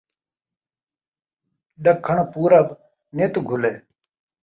ڈگھن پورب نِت گُھلے